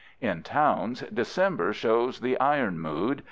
In towns December shows the iron mood.